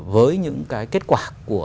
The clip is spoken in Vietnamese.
với những cái kết quả